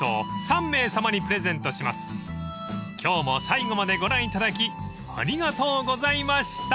［今日も最後までご覧いただきありがとうございました］